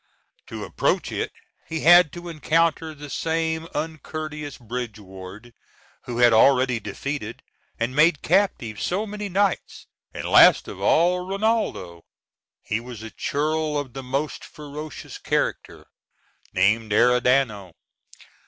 To approach it he had to encounter the same uncourteous bridge ward who had already defeated and made captive so many knights, and last of all, Rinaldo. He was a churl of the most ferocious character, named Arridano.